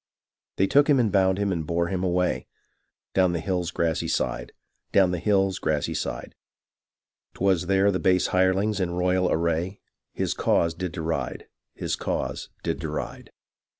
They took him and bound him and bore him away, Down the hilFs grassy side ; down the hill's grassy side, 'Twas there the base hirelings, in royal array, His cause did deride ; his cause did deride.